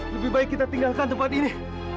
lebih baik kita tinggalkan tempat ini